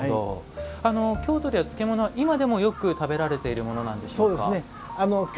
京都では漬物は今でもよく食べられているんでしょうか？